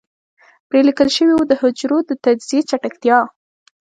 پرې ليکل شوي وو د حجرو د تجزيې چټکتيا.